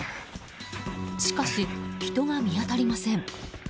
しかし、人が見当たりません。